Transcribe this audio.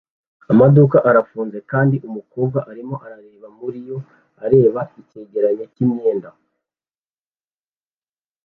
Amaduka arafunze kandi umukobwa arimo arareba muri yo areba icyegeranyo cyimyenda